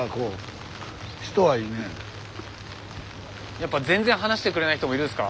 やっぱ全然話してくれない人もいるんすか？